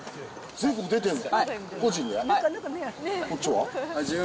全国出てんの？